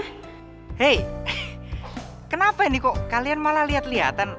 hei kenapa ini kok kalian malah lihat lihatan